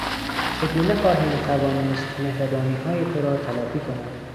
چگونه خواهیم توانست مهربانیهای تو را تلافی کنم.